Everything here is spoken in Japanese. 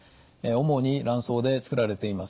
主に卵巣でつくられています。